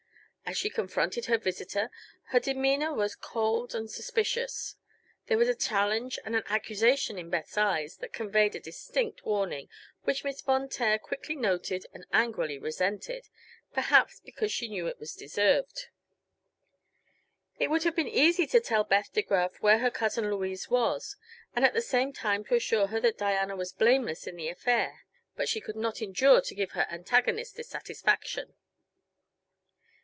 As she confronted her visitor her demeanor was cold and suspicious. There was a challenge and an accusation in Beth's eyes that conveyed a distinct warning, which Miss Von Taer quickly noted and angrily resented perhaps because she knew it was deserved. It would have been easy to tell Beth De Graf where her cousin Louise was, and at the same time to assure her that Diana was blameless in the affair; but she could not endure to give her antagonist this satisfaction.